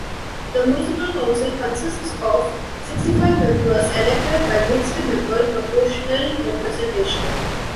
The municipal council consists of sixty-five members elected by mixed-member proportional representation.